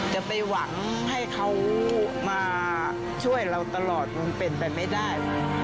จะไปหวังให้เขามาช่วยเราตลอดมันเป็นไปไม่ได้